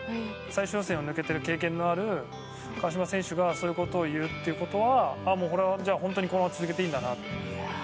最終予選を抜けてる経験のある川島選手がそういうことを言うっていうことはこれは本当にこのまま続けていいんだなって。